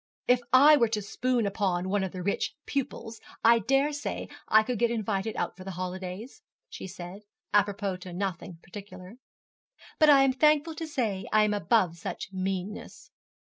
'If I were to spoon upon one of the rich pupils, I dare say I could get invited out for the holidays,' she said, à propos to nothing particular; 'but I am thankful to say I am above such meanness.'